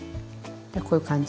こういう感じ。